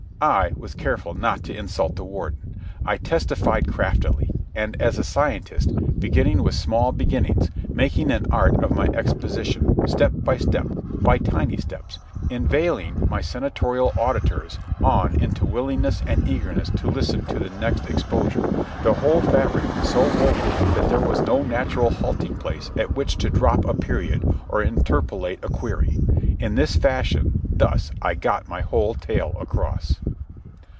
I was careful not to insult the Warden. I testified craftily, and as a scientist, beginning with small beginnings, making an art of my exposition, step by step, by tiny steps, inveigling my senatorial auditors on into willingness and eagerness to listen to the next exposure, the whole fabric so woven that there was no natural halting place at which to drop a period or interpolate a query ... in this fashion, thus, I got my tale across.